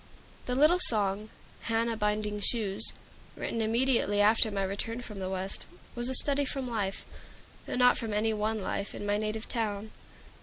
The little song "Hannah Binding Shoes" written immediately after my return from the West, was a study from life though not from any one life in my native town.